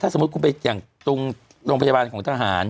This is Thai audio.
สมมติถ้าไปตรงโรงพยาบาลของทหาร